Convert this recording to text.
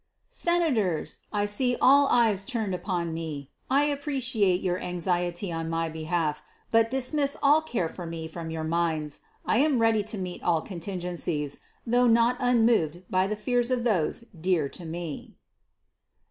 _Senators! I see all eyes turned upon me. I appreciate your anxiety on my behalf, but dismiss all care for me from your minds. I am ready to meet all contingencies, though not unmoved by the fears of those dear to me.